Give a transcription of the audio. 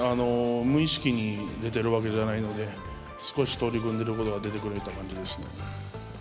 無意識に出てるわけじゃないので少し取り組んでることが出てくれた感じですね。